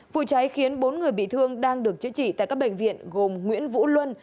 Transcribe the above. vụ cháy khiến bốn người bị thương đang được chữa trị tại các bệnh viện gồm nguyễn vũ luân